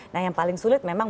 nah yang paling sulit memang